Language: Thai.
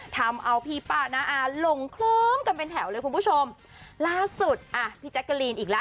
ทำเอาพี่ป้าน้าอาหลงเคลิ้มกันเป็นแถวเลยคุณผู้ชมล่าสุดอ่ะพี่แจ๊กกะลีนอีกแล้ว